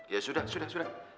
ya sudah sudah sudah